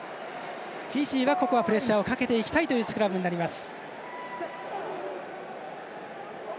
フィジーはプレッシャーをかけていきたいスクラムになります。